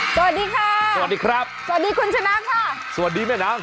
สวัสดีค่ะสวัสดีครับสวัสดีคุณชนะค่ะสวัสดีแม่น้ำ